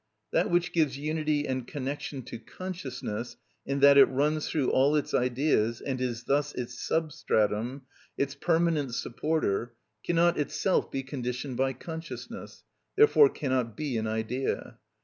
That which gives unity and connection to consciousness in that it runs through all its ideas, and is thus its substratum, its permanent supporter, cannot itself be conditioned by consciousness, therefore cannot be an idea.